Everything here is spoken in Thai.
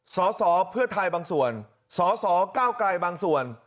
สสเพื่อไทยบางส่วนสสเก้าไกลบางส่วน